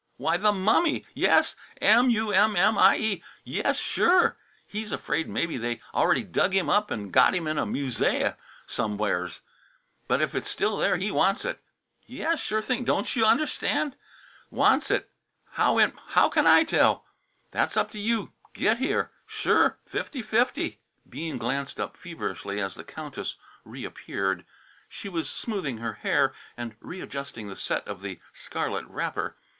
Why, the mummy; yes. M u m m i e. Yes, sure! He's afraid mebbe they already dug him up an' got him in a musée somewheres, but if it's still there he wants it. Yes, sure thing, dontchu un'stand? Wants it! How in how can I tell? That's up to you. Git here! Sure fifty fifty!" Bean glanced up feverishly as the Countess reappeared. She was smoothing her hair and readjusting the set of the scarlet wrapper.